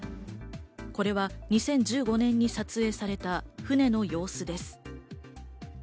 これは２０１５年に撮影された船の様子です。